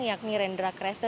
yakni rendra kresna